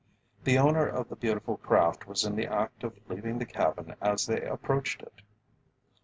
The owner of the beautiful craft was in the act of leaving the cabin as they approached it.